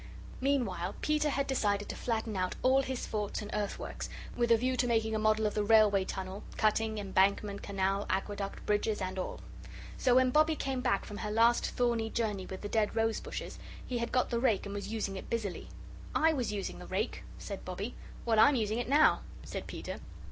Meanwhile Peter had decided to flatten out all his forts and earthworks, with a view to making a model of the railway tunnel, cutting, embankment, canal, aqueduct, bridges, and all. So when Bobbie came back from her last thorny journey with the dead rose bushes, he had got the rake and was using it busily. "I was using the rake," said Bobbie. "Well, I'm using it now," said Peter.